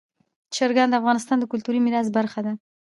چرګان د افغانستان د کلتوري میراث برخه ده.